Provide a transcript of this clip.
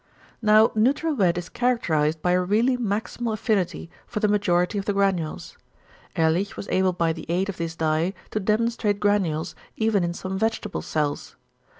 Now neutral red is characterised by a really maximal affinity for the majority of the granules. Ehrlich was able by the aid of this dye to demonstrate granules, even in some vegetable cells.